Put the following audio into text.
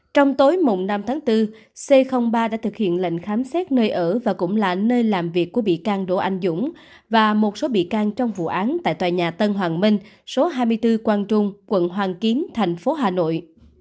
trong tối mùng năm tháng bốn c ba đã thực hiện lệnh khám xét nơi ở và cũng là nơi làm việc của bị can đỗ anh dũng và một số bị can trong vụ án tại tòa nhà tân hoàng minh số hai mươi bốn quang trung quận hoàng kiếm thành phố hà nội